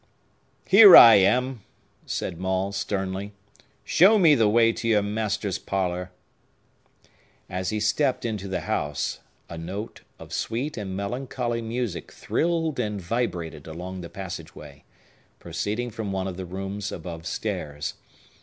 "Here I am!" said Maule sternly. "Show me the way to your master's parlor." As he stept into the house, a note of sweet and melancholy music thrilled and vibrated along the passage way, proceeding from one of the rooms above stairs.